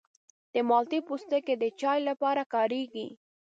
د مالټې پوستکی د چای لپاره کارېږي.